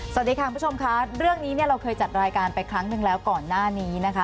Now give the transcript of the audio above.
สวัสดีค่ะคุณผู้ชมค่ะเรื่องนี้เนี่ยเราเคยจัดรายการไปครั้งหนึ่งแล้วก่อนหน้านี้นะคะ